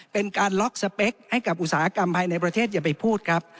เป็นการล็อกสเปคให้กับอุตสาหกรรมภายในประเทศอย่าไปพูดครับ